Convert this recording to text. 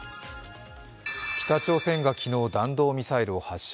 北朝鮮が昨日、弾道ミサイルを発射。